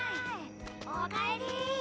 おかえり！